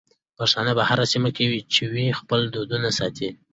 پښتانه په هره سيمه کې چې وي خپل دودونه ساتي.